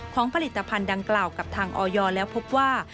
ผลิตภัณฑ์ดังกล่าวกับทางออยแล้วพบว่า